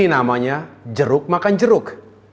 namanya jeruk makan jeruk